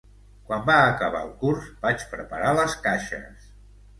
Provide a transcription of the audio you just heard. Quan va acabar el curs, vaig preparar les caixes.